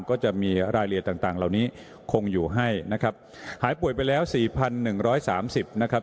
ก็จะมีรายละเอียดต่างต่างเหล่านี้คงอยู่ให้นะครับหายป่วยไปแล้วสี่พันหนึ่งร้อยสามสิบนะครับ